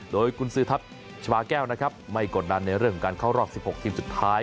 โดยกุญสือทัพชาวาแก้วนะครับไม่กดดันในเรื่องของการเข้ารอบ๑๖ทีมสุดท้าย